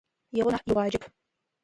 Игъо нахь, игъуаджэп.